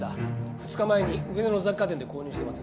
２日前に上野の雑貨店で購入してます。